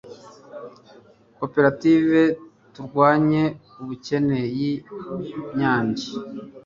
koperative turwanye ubukene yi nyange